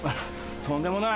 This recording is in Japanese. とんでもない。